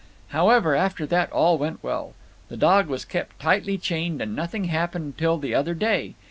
"However, after that, all went well. The dog was kept tightly chained, and nothing happened till the other day.